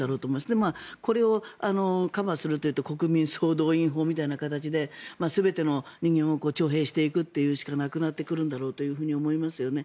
でも、これをカバーするというと国民総動員法みたいな形で全ての人間を徴兵していくしかなくなるんだろうと思いますよね。